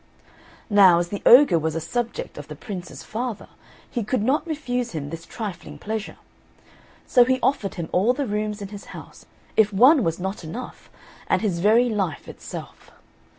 Now, as the ogre was a subject of the Prince's father he could not refuse him this trifling pleasure; so he offered him all the rooms in his house; if one was not enough, and his very life itself.